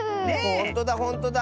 ほんとだほんとだ！